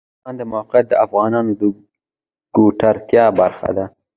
د افغانستان د موقعیت د افغانانو د ګټورتیا برخه ده.